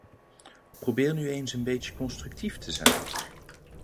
Probeer nu eens een beetje constructief te zijn!